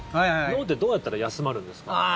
脳ってどうやったら休まるんですか？